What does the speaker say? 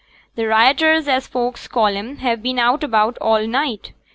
T' rioters, as folks call 'em, have been about all night.